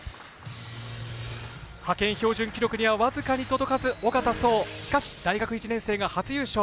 派遣標準記録には僅かに届かず小方颯、しかし大学１年生が初優勝。